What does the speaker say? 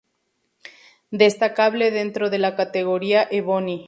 Destacable dentro de la categoria "Ebony".